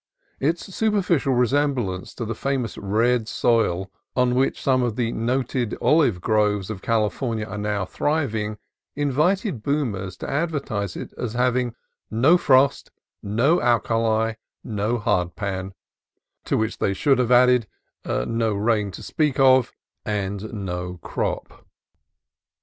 Its superficial resemblance to the famous red soil on which some of the noted orange groves of California are thriving invited boomers to advertise it as having "no frost, no alkali, no hard pan": to which they should have added "no rain (to speak of) and no crop."